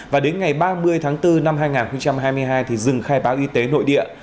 và đến ngày ba mươi tháng bốn năm hai nghìn hai mươi hai thì dừng khai báo y tế nội địa